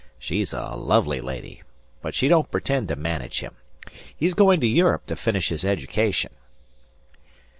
She's a lovely lady, but she don't pretend to manage him. He's going to Europe to finish his education."